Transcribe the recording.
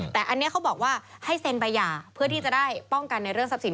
แต่อันนี้เขาบอกว่าให้เซ็นใบหย่าเพื่อที่จะได้ป้องกันในเรื่องทรัพย์สิน